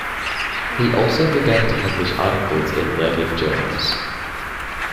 He also began to publish articles in learned journals.